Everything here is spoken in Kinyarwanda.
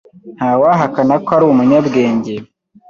Ntawahakana ko ari umunyabwenge.